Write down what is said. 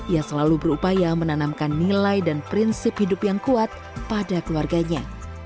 ia selalu berupaya menanamkan nilai dan prinsip hidup yang kuat pada keluarganya